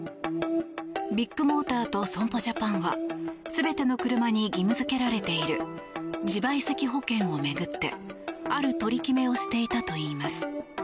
ビッグモーターと損保ジャパンは全ての車に義務付けられている自賠責保険を巡ってある取り決めをしていたといいます。